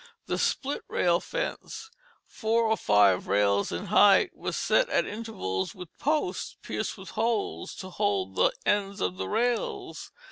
The split rail fence, four or five rails in height, was set at intervals with posts, pierced with holes to hold the ends of the rails.